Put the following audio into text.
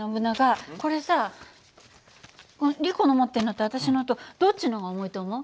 これさリコの持ってるのと私のとどっちの方が重いと思う？